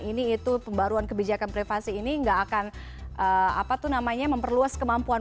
ini itu pembaruan kebijakan privasi ini tidak akan memperluas kemampuan